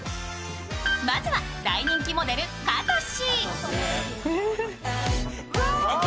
まずは大人気モデル、かとし。